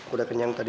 udah kenyang tadi